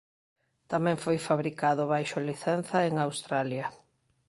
Tamén foi fabricado baixo licenza en Australia.